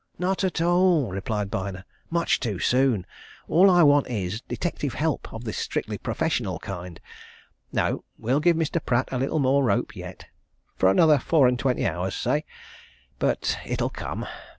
"Not at all!" replied Byner. "Much too soon! All I want is detective help of the strictly professional kind. No we'll give Mr. Pratt a little more rope yet for another four and twenty hours, say. But it'll come!